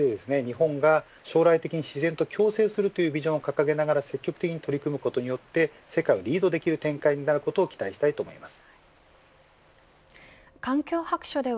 こういった活用で日本が将来的に自然と共生するというビジョンを掲げながら取り組むことによって世界をリードできる展開になることを期待したいです。